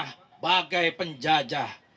sebenarnya bagai penjajah